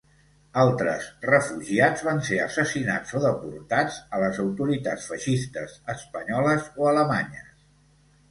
Altres refugiats van ser assassinats o deportats a les autoritats feixistes espanyoles o alemanyes.